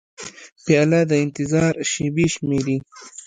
پیاله د انتظار شېبې شمېري.